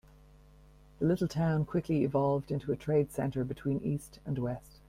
The little town quickly evolved into a trade center between east and west.